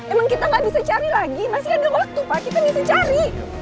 emang kita nggak bisa cari lagi masih ada dua waktu pak kita bisa cari